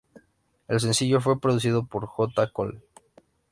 El sencillo fue producido por J. Cole.